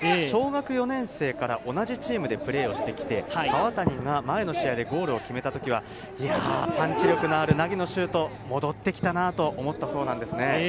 小学４年生から同じチームでプレーをしてきて、川谷が前の試合でゴールを決めた時は、パンチ力のある凪のシュート、戻ってきたなと思ったそうなんですね。